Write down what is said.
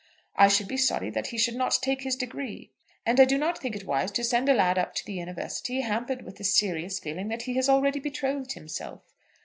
I should be sorry that he should not take his degree. And I do not think it wise to send a lad up to the University hampered with the serious feeling that he has already betrothed himself.